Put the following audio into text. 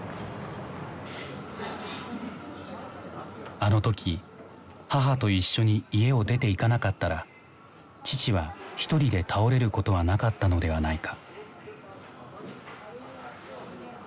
あの時母と一緒に家を出ていかなかったら父はひとりで倒れることはなかったのではないか。